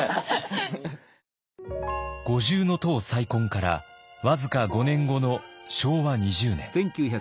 五重塔再建から僅か５年後の昭和２０年。